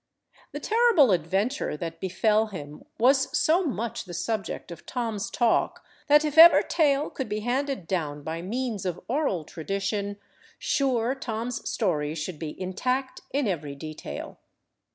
The terrible adventure that befell him was so much the subject of Tom's talk, that if ever tale could be handed down by means of oral tradition sure Tom's story should be intact in every detail.